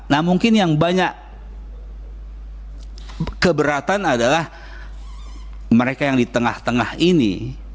nah mungkin yang banyak keberatan adalah mereka yang di tengah tengah ini